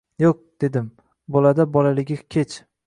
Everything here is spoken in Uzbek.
«Yo’q, — dedim, — bolada bolaligi hech